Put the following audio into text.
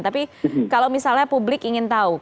tapi kalau misalnya publik ingin tahu